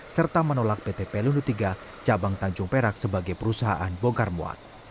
serta menolak pt pelunu tiga cabang tanjung perak sebagai perusahaan bongkar muat